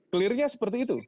clear nya seperti itu